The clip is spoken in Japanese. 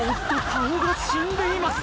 顔が死んでいます。